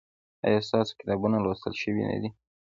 ایا ستاسو کتابونه لوستل شوي نه دي؟